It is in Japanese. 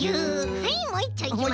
はいもういっちょいきます。